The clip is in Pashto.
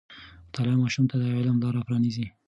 مطالعه ماشوم ته د علم لاره پرانیزي.